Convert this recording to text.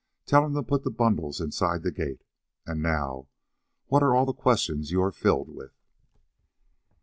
Tell him to put the bundles inside the gate.. .. And now what are all the questions you are filled with?"